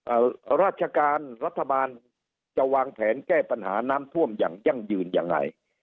ราชการรัฐบาลจะวางแผนแก้ปัญหาน้ำท่วมอย่างยั่งยืนยังไง